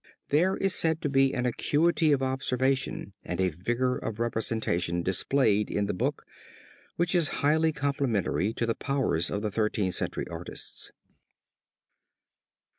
There is said to be an acuity of observation and a vigor of representation displayed in the book which is highly complimentary to the powers of the Thirteenth Century artists.